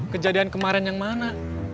kejadian kemarin yang mana